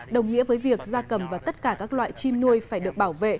đồng nghĩa với việc da cầm và tất cả các loại chim nuôi phải được bảo vệ